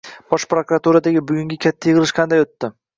Bosh prokuraturadagi bugungi katta yig‘ilish qanday o‘tdi?